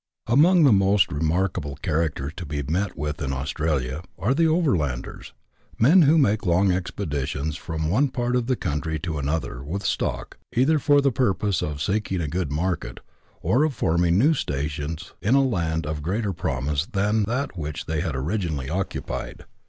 Among the most remarkable characters to be met with in Aus tralia are the " Overlanders," men who make long expeditions from one part of the country to another with stock, either for the purpose of seeking a good market, or of forming new stations in a land of greater promise than that which they had originally occupied.